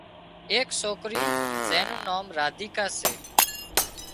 ايڪ سوڪري زين نُون نان راديڪا سي